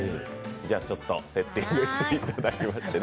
じゃあちょっとセッティングしていただきましてね